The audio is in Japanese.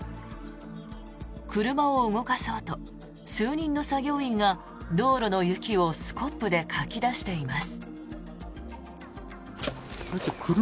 車を動かそうと数人の作業員が道路の雪をスコップでかき出しています。